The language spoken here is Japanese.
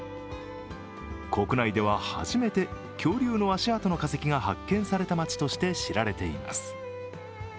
国内では初めて恐竜の足跡の化石が発見された町として知られています。